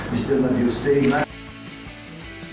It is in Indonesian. dan seperti yang anda katakan